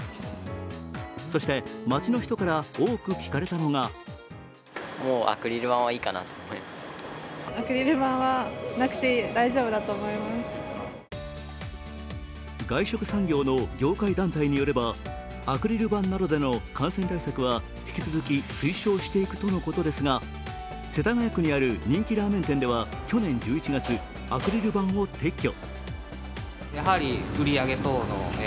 そして、街の人から多く聞かれたのは外食産業の業界団体によればアクリル板などでの感染対策は引き続き推奨していくとのことですが世田谷区にある人気ラーメン店では去年１１月、アクリル板を撤去。